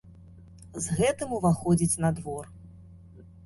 З гэтым уваходзіць на двор.